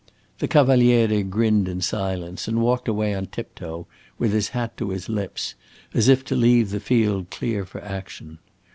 The Cavaliere grinned in silence and walked away on tiptoe, with his hat to his lips, as if to leave the field clear for action.